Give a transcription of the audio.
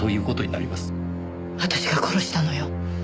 私が殺したのよ。